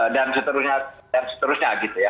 dan seterusnya gitu ya